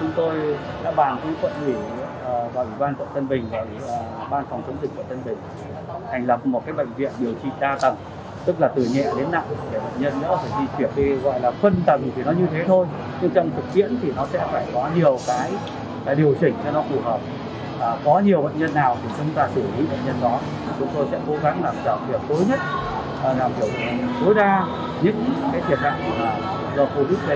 chúng tôi sẽ cố gắng làm việc tối nhất làm việc tối đa nhất cái tiềm đặc của là do phù đức lên lên cho bà con